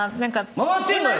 回ってんのよ